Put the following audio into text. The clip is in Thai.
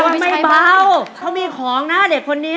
ว้าวเค้ามีของหน้าเด็กคนเนี้ย